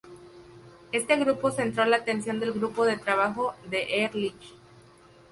Este grupo centró la atención del grupo de trabajo de Ehrlich.